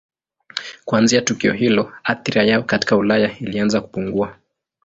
Kuanzia tukio hilo athira yao katika Ulaya ilianza kupungua.